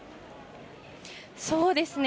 そうですね。